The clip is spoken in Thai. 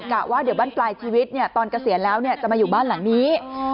กะว่าเดี๋ยวบ้านปลายชีวิตตอนเกษียณแล้วจะมาอยู่บ้านหลังนี้